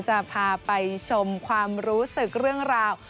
จะพาไปชมความรู้สึกเรื่องราว